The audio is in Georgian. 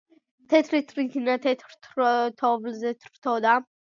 თეთრი თრითინა თეთრ თოვლზე თრთოდა.